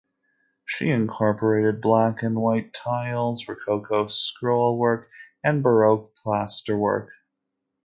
She incorporated black and white tiles, rococo scrollwork, and baroque plasterwork.